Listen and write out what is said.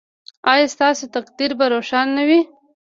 ایا ستاسو تقدیر به روښانه وي؟